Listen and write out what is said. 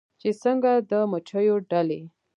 چې څنګه د مچېو ډلې